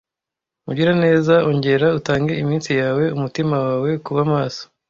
mugiraneza ongera utange iminsi yawe umutima wawe kuba maso